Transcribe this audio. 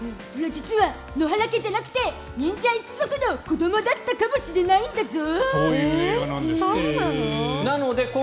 実は、野原家じゃなくて忍者一族の子どもだったかもしれないんだゾ。